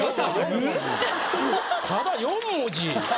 ただ４文字。